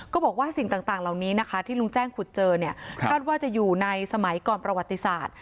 ก็บอกว่าสิ่งต่างที่ลุงแจ้งขุดเจอคาดว่าจะอยู่ในสมัยก่อนประวัติศาสตร์